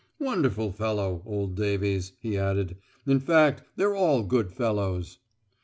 "Wonderful fellow, old Davies," he added. "In fact they're all good fellows."